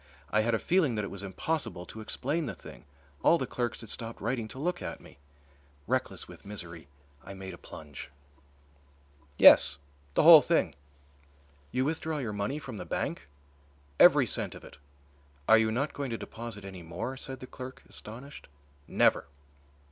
I had a feeling that it was impossible to explain the thing. All the clerks had stopped writing to look at me. Reckless with misery, I made a plunge. "Yes, the whole thing." "You withdraw your money from the bank?" "Every cent of it." "Are you not going to deposit any more?" said the clerk, astonished. "Never."